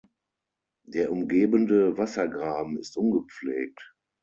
Der umgebende Wassergraben ist ungepflegt.